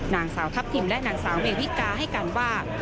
นางสาวทัพทิมและนางสาวเมวิกาให้การว่า